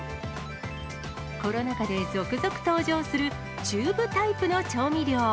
コロナ禍で続々登場するチューブタイプの調味料。